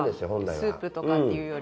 スープとかっていうより。